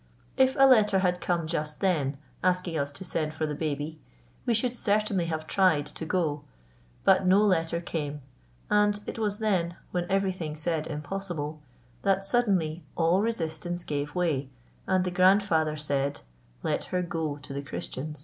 If a letter had come just then asking us to send for the baby, we should certainly have tried to go; but no letter came, and it was then, when everything said, "Impossible," that suddenly all resistance gave way and the grandfather said: "Let her go to the Christians."